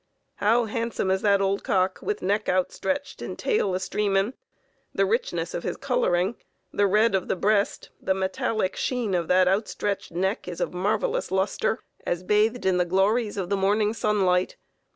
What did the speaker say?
How handsome is that old cock with neck outstretched and tail a streamin', the richness of his coloring, the red of the breast, the metallic sheen of that outstretched neck is of marvelous luster as bathed in the glories of the morning sunlight.